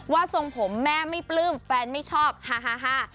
ทรงผมแม่ไม่ปลื้มแฟนไม่ชอบฮา